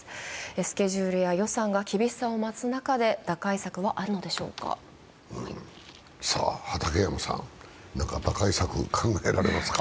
スケジュールや予算が厳しさを増す中で、打開策はあるのでしょうか畠山さん、打開策、考えられますか？